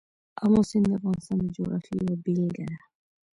آمو سیند د افغانستان د جغرافیې یوه بېلګه ده.